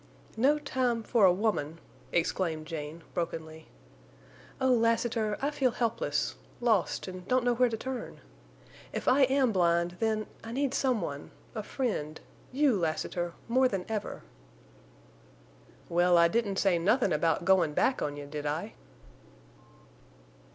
"No time—for a woman!" exclaimed Jane, brokenly. "Oh, Lassiter, I feel helpless—lost—and don't know where to turn. If I am blind—then—I need some one—a friend—you, Lassiter—more than ever!" "Well, I didn't say nothin' about goin' back on you, did I?"